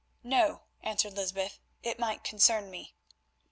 "No," answered Lysbeth, "it might concern me."